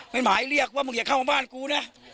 หมายเรียกว่ามึงอย่าเข้ามาบ้านกูนะ